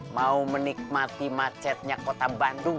mau menikmati macetnya kota bandung